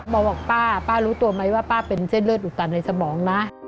บอกป้าป้ารู้ตัวไหมว่าป้าเป็นเส้นเลือดอุดตันในสมองนะ